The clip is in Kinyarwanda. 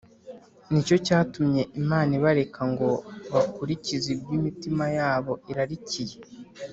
Ni cyo cyatumye Imana ibareka ngo bakurikize ibyo imitima yabo irarikiye